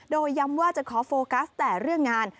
โดยย้ำว่าจะขอโฟกัสแต่เรื่องงาน